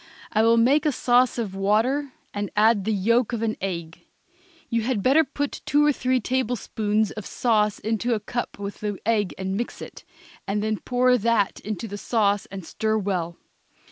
I will make a sauce of water and add the yolk of an egg. You had better put two or three tablespoons of sauce into a cup with the egg and mix it, and then pour that into the sauce and stir it well.